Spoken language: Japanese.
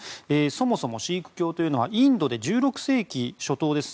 そもそもシーク教というのはインドで１６世紀初頭です。